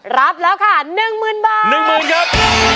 รับแล้วค่ะ๑๐๐๐บาท